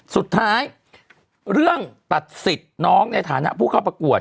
สุดท้ายเรื่องตัดสิทธิ์น้องในฐานะผู้เข้าประกวด